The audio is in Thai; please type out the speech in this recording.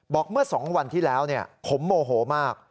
เมื่อ๒วันที่แล้วผมโมโหมาก